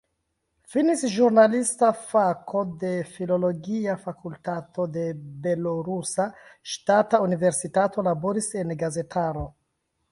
Finis ĵurnalista fako de filologia fakultato de Belorusa Ŝtata Universitato, laboris en gazetaro.